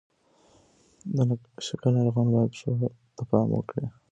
د شکر ناروغان باید پښو ته پام وکړي.